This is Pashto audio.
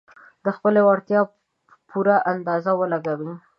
د خپلې وړتيا پوره اندازه ولګوي.